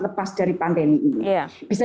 lepas dari pandemi ini bisa